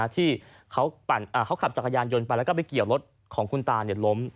ที่เขาขับจักรยานยนต์ไปแล้วก็ไปเกี่ยวรถของคุณตาล้ม